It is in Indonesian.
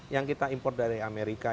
yang kita import dari amerika